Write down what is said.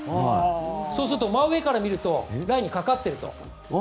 そうすると、真上から見るとラインにかかっていると。